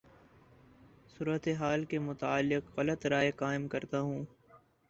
صورتحال کے متعلق غلط رائے قائم کرتا ہوں